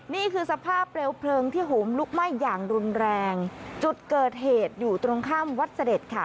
นี่คือสภาพเปลวเพลิงที่โหมลุกไหม้อย่างรุนแรงจุดเกิดเหตุอยู่ตรงข้ามวัดเสด็จค่ะ